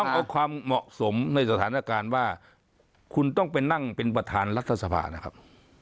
ต้องเอาความเหมาะสมในสถานการณ์ว่าคุณต้องไปนั่งเป็นประธานรัฐสภานะครับ